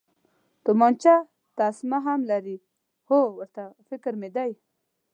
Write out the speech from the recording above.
تومانچه تسمه هم لري، هو، ورته فکر مې دی.